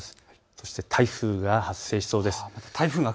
そして台風が発生しそうです。